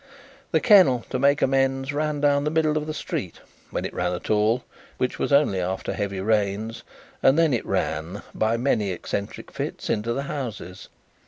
The kennel, to make amends, ran down the middle of the street when it ran at all: which was only after heavy rains, and then it ran, by many eccentric fits, into the houses.